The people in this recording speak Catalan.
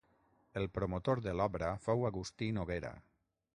El Promotor de l'obra fou Agustí Noguera.